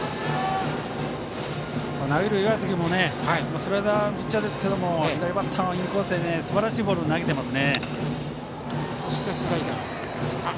投げる岩瀬君もスライダーのピッチャーですが左バッターのインコースにすばらしいボールを投げています。